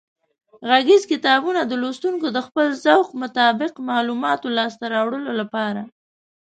غږیز کتابونه د لوستونکو د خپل ذوق مطابق معلوماتو لاسته راوړلو لپاره